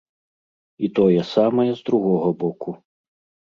І тое самае з другога боку.